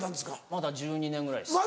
まだ１２年ぐらいです。